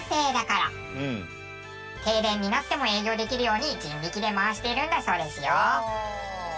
停電になっても営業できるように人力で回しているんだそうですよ。